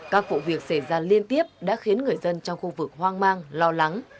các vụ việc xảy ra liên tiếp đã khiến người dân trong khu vực hoang mang lo lắng